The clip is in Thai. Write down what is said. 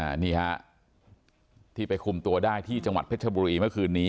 อันนี้ฮะที่ไปคุมตัวได้ที่จังหวัดเพชรบุรีเมื่อคืนนี้